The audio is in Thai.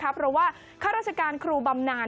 เพราะว่าข้าราชการครูบำนาน